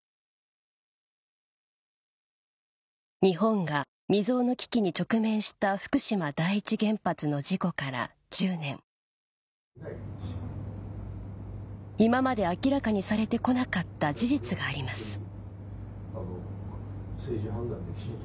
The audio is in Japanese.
日本が未曽有の危機に直面した福島第一原発の事故から１０年今まで明らかにされて来なかった事実があります